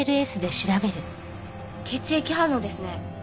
血液反応ですね。